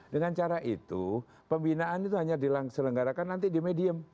dengan cara itu pembinaan itu hanya diselenggarakan nanti di medium